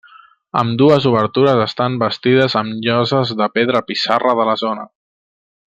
Ambdues obertures estan bastides amb lloses de pedra pissarra de la zona.